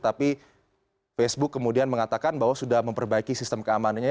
tapi facebook kemudian mengatakan bahwa sudah memperbaiki sistem keamanannya